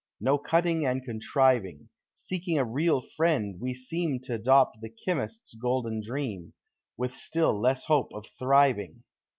No cutting and contriving — Keeking a mil friend, we seem T adopt the chy mists' golden dream. With still less hope of thriving.